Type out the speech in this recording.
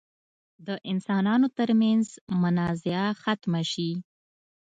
د انسانانو تر منځ منازعه ختمه شي.